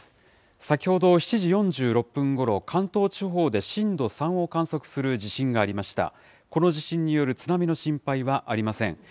先ほど７時４６分ごろ、関東地方で震度３を観測する地震がありました。